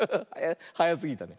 はやすぎたね。